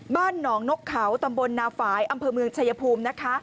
บ้านหนองนกเขาตำบลนาฝ่ายอำเภอเมืองชายภูมินะคะ